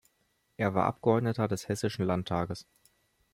Er war Abgeordneter des Hessischen Landtages.